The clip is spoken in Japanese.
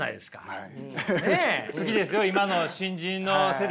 はい。